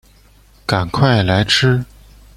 赶快来吃